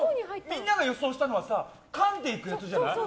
みんなが予想したのはかんでいくじゃない。